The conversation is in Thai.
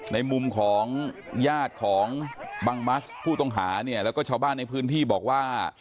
ในมุมของญาติของบังมัสผู้ต้องหาเนี่ยแล้วก็ชาวบ้านในพื้นที่บอกว่า